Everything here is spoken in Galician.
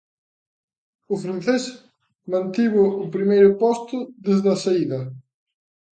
O francés mantivo o primeiro posto desde a saída.